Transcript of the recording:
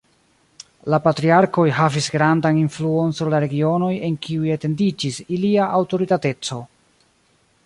La patriarkoj havis grandan influon sur la regionoj en kiuj etendiĝis ilia aŭtoritateco.